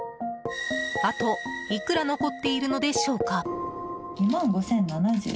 あと、いくら残っているのでしょうか？